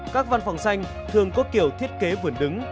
các văn phòng xanh thường có kiểu thiết kế vườn đứng